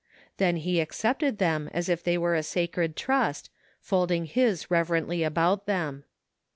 Then he accepted them as if they were a sacred trust, folding his reverently about them.